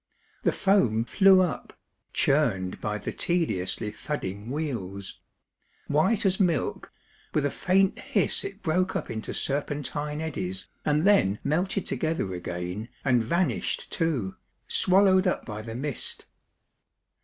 The foam flew up, churned by the tediously thudding wheels ; white as milk, with a faint hiss it broke up into serpentine eddies, and then melted together again and vanished too, swallowed up by the mist.